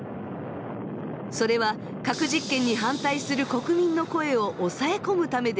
それは核実験に反対する国民の声を抑え込むためでした。